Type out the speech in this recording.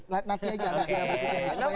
nanti aja habis jadinya berikutnya